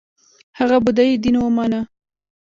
هغه بودايي دین ومانه